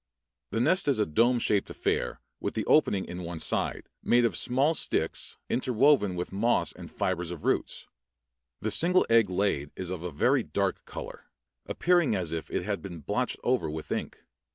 The nest is a dome shaped affair with the opening in one side, made of "small sticks, interwoven with moss and fibers of roots." "The single egg laid is of a very dark color, appearing as if it had been blotched over with ink."